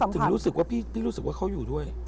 ถึงรู้สึกว่าพี่รู้สึกว่าเขาอยู่ด้วย